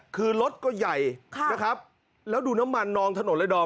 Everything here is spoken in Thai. คือรถก็ใหญ่นะครับแล้วดูน้ำมันนองถนนเลยดอม